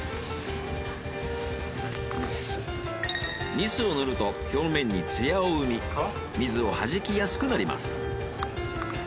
ニスを塗ると表面にツヤを生み水をはじきやすくなります。